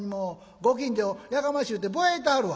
ご近所やかましゅうてぼやいたはるわ」。